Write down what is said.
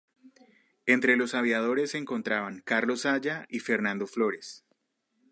Entre los aviadores se encontraban Carlos Haya y Fernando Flores.